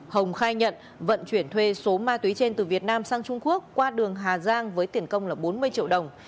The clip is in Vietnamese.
hồng khai nhận vận chuyển thuê số ma túy trên từ việt nam sang trung quốc qua đường hà giang với tiền công là bốn mươi triệu đồng